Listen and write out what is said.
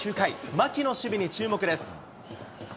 牧の守備に注目です。